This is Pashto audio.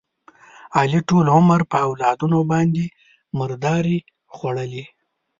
علي ټول عمر په اولادونو باندې مردارې وخوړلې.